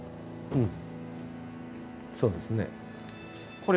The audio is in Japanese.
うん。